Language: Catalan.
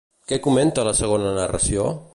Què comenta la segona narració?